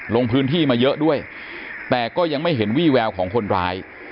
ลงพื้นที่มาเยอะด้วยแต่ก็ยังไม่เห็นวี่แววของคนร้าย